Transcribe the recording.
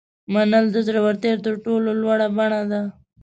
منل د زړورتیا تر ټولو لوړه بڼه ده.